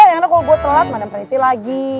yang mana kalau gue telat madem priti lagi